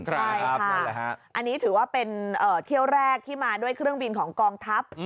ใช่ค่ะอันนี้ถือว่าเป็นเที่ยวแรกที่มาด้วยเครื่องบินของกองทัพ